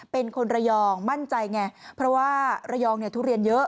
เป็นคนระยองมั่นใจไงเพราะว่าระยองเนี่ยทุเรียนเยอะ